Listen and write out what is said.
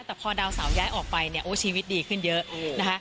แต่พอดาวเสาย้ายออกไปเนี่ยโอ้ชีวิตดีขึ้นเยอะนะคะ